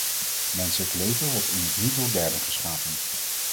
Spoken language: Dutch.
Menselijk leven wordt immers niet door derden geschapen.